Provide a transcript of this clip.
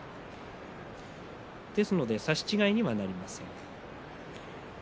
ですので差し違いにはなりません。